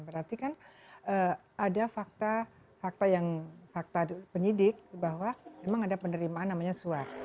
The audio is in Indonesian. berarti kan ada fakta fakta penyidik bahwa memang ada penerimaan namanya suap